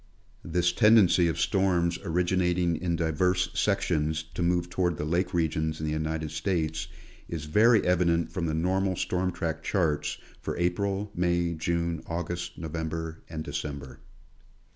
This tendency of storms originating in diverse sections to move toward the lake regions in the United States, is very evident from the normal storm track charts for April, May, June, August, November and December.